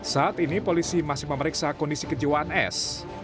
saat ini polisi masih memeriksa kondisi kejiwaan s